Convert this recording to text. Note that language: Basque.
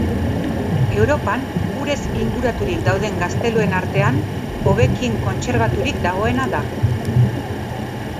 Europan urez inguraturik dauden gazteluen artean hobekien kontserbaturik dagoena da.